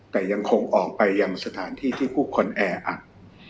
แต่ยังคงออกไปยังสถานที่ที่ผู้คนแออัด